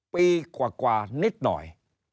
ปีกว่านิดหน่อย